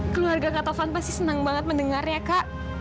keluarga kak taufan pasti senang banget mendengarnya kak